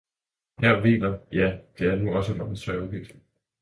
Her hviler, ja, det er nu så meget sørgeligt